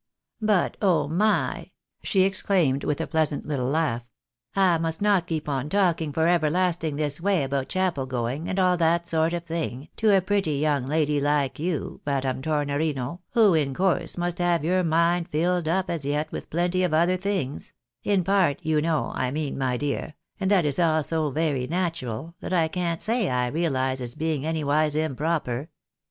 " But, oh my !" she exclaimed, with a pleasant little laugh, "I must not keep on talking for everlasting this way about chapel going, and all that sort of thing, to a pretty young lady like you, Madame Tornorino, who in course must have your mind filled up as yet with plenty of other things — in part, you know, I mean, my dear — and that is all so very natural, that I can't say I realise its being anywise improper.